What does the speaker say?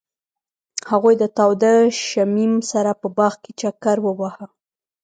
هغوی د تاوده شمیم سره په باغ کې چکر وواهه.